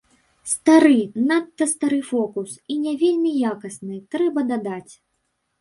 Стары, надта стары фокус, і не вельмі якасны, трэба дадаць.